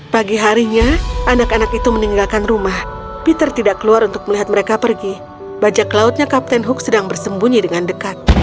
pagi harinya anak anak itu meninggalkan rumah peter tidak keluar untuk melihat mereka pergi bajak lautnya kapten hook sedang bersembunyi dengan dekat